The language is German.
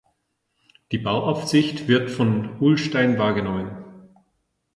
Die Bauaufsicht wird von Ulstein wahrgenommen.